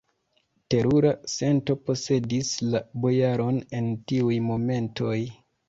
Terura sento posedis la bojaron en tiuj momentoj!